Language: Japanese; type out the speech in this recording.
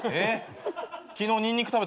昨日ニンニク食べたからかな。